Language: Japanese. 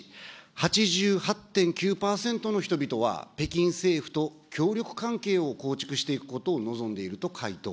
８８．９％の人々は、北京政府と協力関係を構築していくことを望んでいると回答。